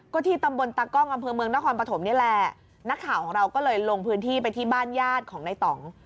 ก็ที่ตำบลตากล้องอำเภอเมืองนครปฐมนี่แหละนักข่าวของเราก็เลยลงพื้นที่ไปที่บ้านญาติของในต่อง